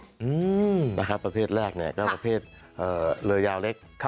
อืมนะครับประเภทแรกเนี่ยก็ประเภทเรือยาวเล็ก